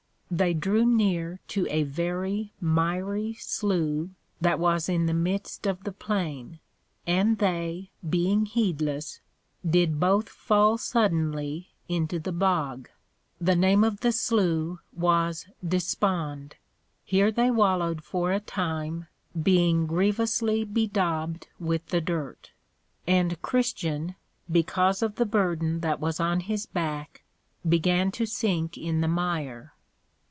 They drew near to a very miry Slough, that was in the midst of the plain; and they, being heedless, did both fall suddenly into the bog. The name of the slough was Dispond. Here they wallowed for a time, being grievously bedaubed with the dirt; and Christian, because of the Burden that was on his back, began to sink in the mire.